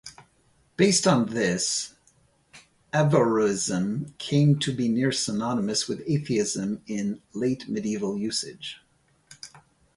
Based on this, "Averroism" came to be near-synonymous with atheism in late medieval usage.